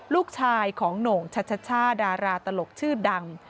ลูกชายของโหน่งชัชช่าดาราตลกชื่อดัง